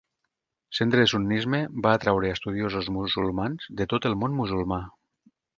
Centre de sunnisme va atreure estudiosos musulmans de tot el món musulmà.